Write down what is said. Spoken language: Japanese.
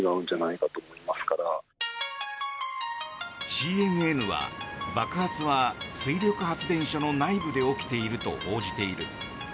ＣＮＮは爆発は水力発電所の内部で起きていると報じている。